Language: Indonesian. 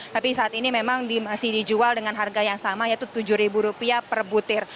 tapi saat ini memang masih dijual dengan harga yang sama yaitu rp tujuh per butir